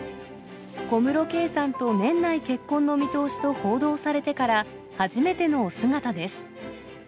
小室圭さんと年内結婚の見通しと報道されてから、初めてのお姿です。